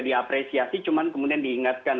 diapresiasi cuman kemudian diingatkan